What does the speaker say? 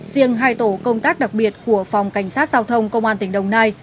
riêng hai tổ công tác đặc biệt của phòng cảnh sát giao thông công an tỉnh đồng nai